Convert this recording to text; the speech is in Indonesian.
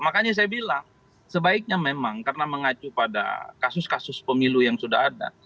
makanya saya bilang sebaiknya memang karena mengacu pada kasus kasus pemilu yang sudah ada